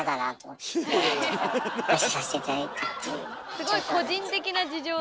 すごい個人的な事情だ！